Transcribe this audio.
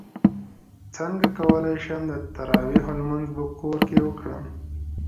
څنګه کولی شم د تراویحو لمونځ په کور کې وکړم